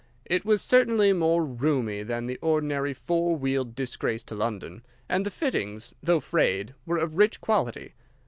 It was certainly more roomy than the ordinary four wheeled disgrace to London, and the fittings, though frayed, were of rich quality.